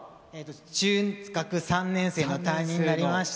中学３年生の担任になりました。